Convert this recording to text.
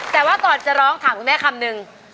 แต่ว่าก่อนจะร้องถามคุณแม่คำนึง